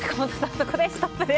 そこでストップです。